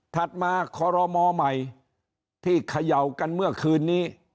มาคอรมอใหม่ที่เขย่ากันเมื่อคืนนี้